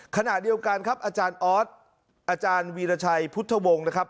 ขณะเดียวกันครับอาจารย์ออสอาจารย์วีรชัยพุทธวงศ์นะครับ